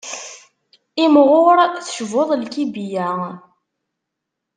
Imɣur tecbuḍ lkibiya.